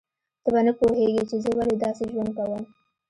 ته به نه پوهیږې چې زه ولې داسې ژوند کوم